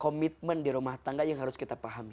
komitmen di rumah tangga yang harus kita pahami